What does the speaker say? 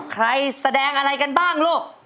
แสดงอะไรกันบ้างลูก